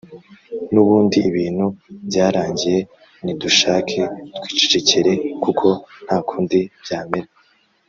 nubundi ibintu byarangiye nidushake twicecekere kuko ntakundi byamera!